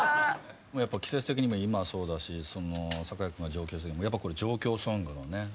季節的にも今はそうだしさかい君が上京した時もやっぱこれ上京ソングのね。